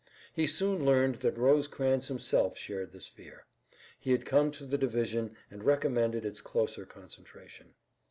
He soon learned that Rosecrans himself shared this fear. He had come to the division and recommended its closer concentration.